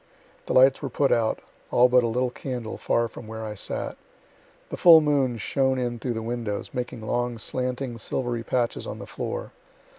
The lights were put out, all but a little candle, far from where I sat. The full moon shone in through the windows, making long, slanting silvery patches on the floor.